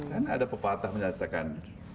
karena ada pepatah menyatakan